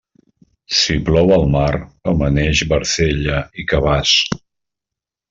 Si plou al mar, amaneix barcella i cabàs.